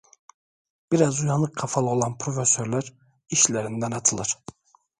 Biraz uyanık kafalı olan profesörler işlerinden atılır.